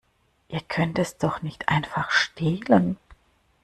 Ihr könnt es doch nicht einfach stehlen!